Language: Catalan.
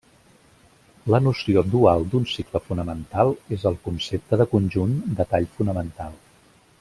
La noció dual d'un cicle fonamental és el concepte de conjunt de tall fonamental.